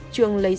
trường lấy xác